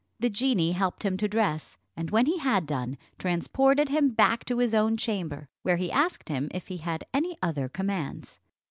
The genie helped him to dress, and when he had done, transported him back to his own chamber, where he asked him if he had any other commands.